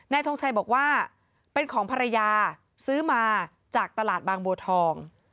ทงชัยบอกว่าเป็นของภรรยาซื้อมาจากตลาดบางบัวทอง